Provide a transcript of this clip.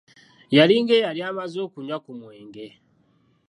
Yali ng'eyali amaze okunywa ku mwenge.